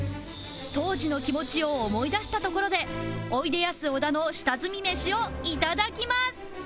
当時の気持ちを思い出したところでおいでやす小田の下積みメシをいただきます